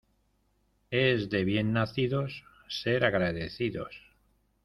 Es de bien nacidos ser agradecidos.